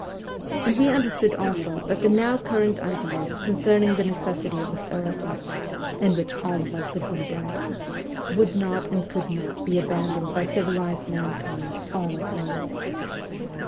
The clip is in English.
And we understood also that the now current ideas concerning the necessity of authority in which all of us have been bred would not and could not be abandoned by civilized mankind all at once.